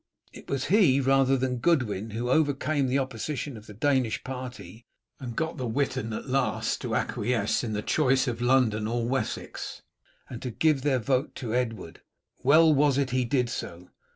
It was he rather than Godwin who overcame the opposition of the Danish party, and got the Witan at last to acquiesce in the choice of London and Wessex, and to give their vote to Edward. "Well was it he did so.